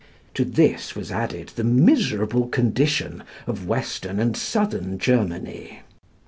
To this was added the miserable condition of western and southern Germany.